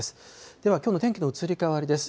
では、きょうの天気の移り変わりです。